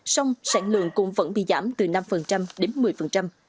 sông sản lượng cũng vẫn bị giảm từ năm đến một mươi